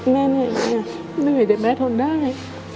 แม่เหนื่อยแต่แม่ทนได้